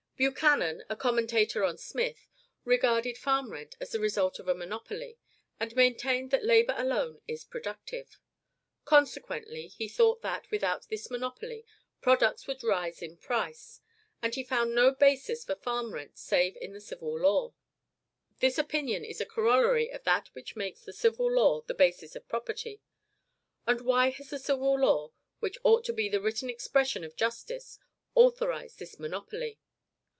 Buchanan a commentator on Smith regarded farm rent as the result of a monopoly, and maintained that labor alone is productive. Consequently, he thought that, without this monopoly, products would rise in price; and he found no basis for farm rent save in the civil law. This opinion is a corollary of that which makes the civil law the basis of property. But why has the civil law which ought to be the written expression of justice authorized this monopoly?